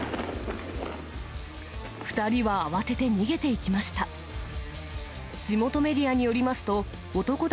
２人は慌てて逃げていきました。